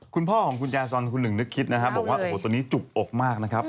คุณพ่อของคุณแจซอนคุณหนึ่งนึกคิดนะครับบอกว่าโอ้โหตอนนี้จุกอกมากนะครับ